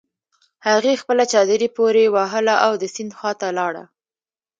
هغې خپله چادري پورې وهله او د سيند خواته لاړه.